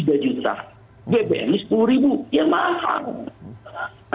bbm rp sepuluh ya mahal